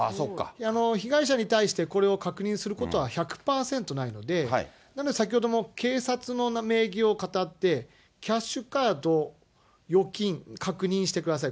被害者に対して、これを確認することは１００％ないので、なので、先ほど警察の名義をかたって、キャッシュカード、預金、確認してください。